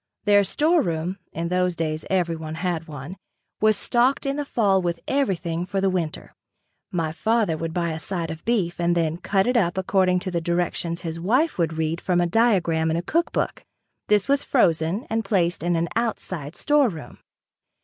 Their storeroom, in those days everyone had one, was stocked in the fall with everything for the winter. My father would buy a side of beef and then cut it up according to the directions his wife would read from a diagram in a cook book. This was frozen and placed in an outside storeroom.